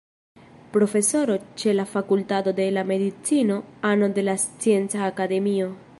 Profesoro ĉe la Fakultato de la Medicino, ano de la Scienca Akademio.